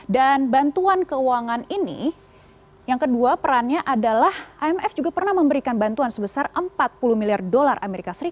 dan bantuan keuangan ini yang kedua perannya adalah imf juga pernah memberikan bantuan sebesar empat puluh miliar dolar as